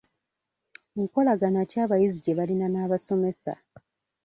Nkolagana ki abayizi gye balina n'abasomesa?